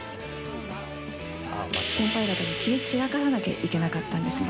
先輩方にキレ散らかさないといけなかったんですね。